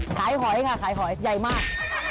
หอยค่ะขายหอยใหญ่มาก